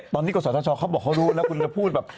ตอนนี้กษัตริย์ศาสตร์เขาบอกเขารู้แล้วคุณจะพูดแบบ